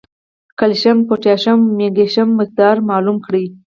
کېلشیم ، پوټاشیم او مېګنيشم مقدار معلوم کړي